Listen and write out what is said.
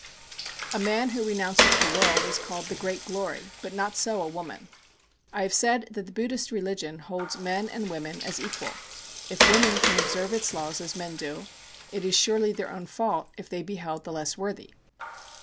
A man who renounces the world is called 'the great glory,' but not so a woman. I have said that the Buddhist religion holds men and women as equal. If women can observe its laws as men do, it is surely their own fault if they be held the less worthy.